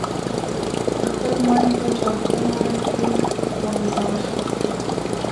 د خپل ماین په چاودنه کې والوزول شو.